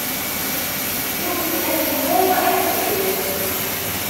Mi wwten atemmu, ad t-zeglen.